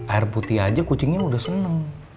air putih aja kucingnya udah seneng